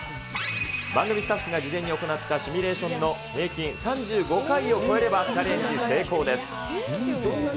番組スタッフが事前に行ったシミュレーションの平均３５回を超えれば、チャレンジ成功です。